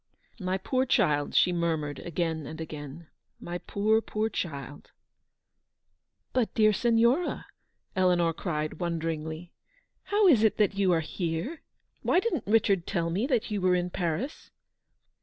"My poor child!" she murmured again and again. " My poor, poor child !" "But, dear Signora," Eleanor cried, wonder ingly, '' how is it that you are here ? Why didn't Richard tell me that you were in Paris